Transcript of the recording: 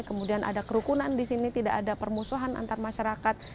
kemudian ada kerukunan di sini tidak ada permusuhan antar masyarakat